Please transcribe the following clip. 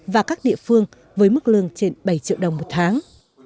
và các địa phương với mức lương trên bảy triệu đồng một tháng